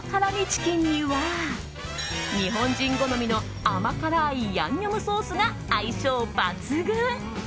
チキンは日本人好みの甘辛いヤンニョムソースが相性抜群。